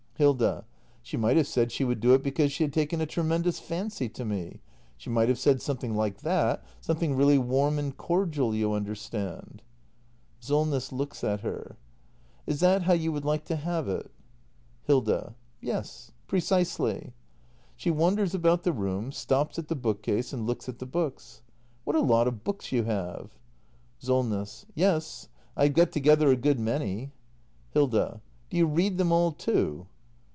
Hilda. She might have said she would do it because she had taken a tremendous fancy to me. She might have said something like that — something really warm and cordial, you understand. SOLNESS. [Looks at her.] Is that how you would like to have it ? Hilda. Yes, precisely. [She wanders about the room, stops at the bookcase and looks at the books.] What a lot of books you have. Solness. Yes, I have got together a good many. Hilda. Do you read them all, too?